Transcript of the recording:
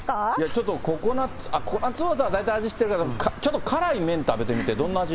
ちょっとココナツウオーター、大体、味知ってるからちょっと辛い麺食べてみて、どんな味？